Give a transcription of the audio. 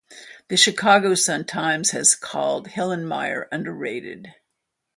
The Chicago Sun-Times has called Hillenmeyer "underrated".